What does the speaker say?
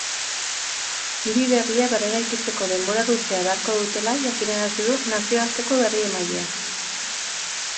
Hiri berria berreraikitzeko denbora luzea beharko dutela jakinarazi du nazioarteko berriemaileak.